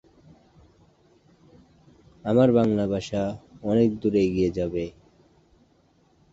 চলচ্চিত্রটি ইউটিউবে মুক্তি পেয়েছে।